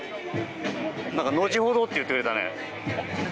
何か、後ほどって言ってくれたね。